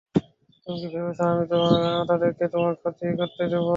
তুমি কি ভেবেছ আমি তাদেরকে তোমার ক্ষতি করতে দেব?